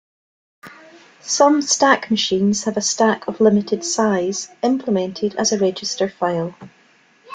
Some stack machines have a stack of limited size, implemented as a register file.